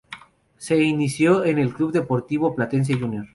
Se inició en el Club Deportivo Platense Junior.